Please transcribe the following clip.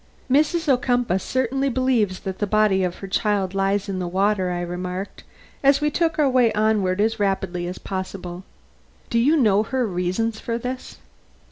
"Mrs. Ocumpaugh certainly believes that the body of her child lies in the water," I remarked, as we took our way onward as rapidly as possible. "Do you know her reasons for this?"